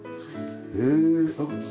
へえ。